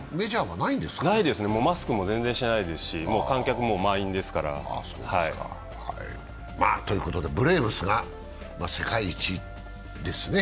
ないですね、マスクも全然しないですし観客も満員ですから。ということでブレーブスが世界一ですね。